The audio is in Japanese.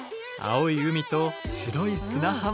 青い海と白い砂浜。